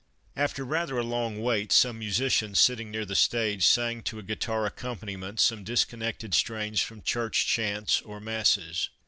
After rather a long wait, some musicians sitting near the stage sang to a guitar accompaniment some disconnected strains from church chants or masses.